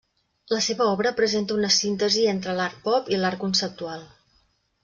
La seva obra presenta una síntesi entre l'art pop i l'art conceptual.